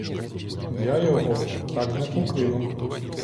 Я його так не покину.